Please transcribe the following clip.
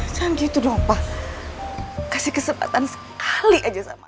jangan gitu dong papa kasih kesempatan sekali aja sama